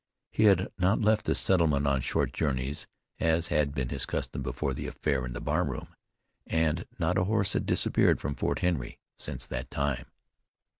He had not left the settlement on short journeys, as had been his custom before the affair in the bar room. And not a horse had disappeared from Fort Henry since that time.